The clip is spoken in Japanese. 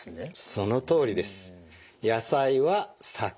そのとおりです。